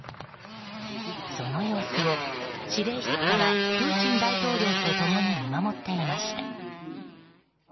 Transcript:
その様子を指令室からプーチン大統領と共に見守っていました。